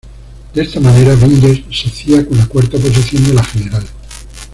De esta manera Vinyes se hacía con la cuarta posición de la general.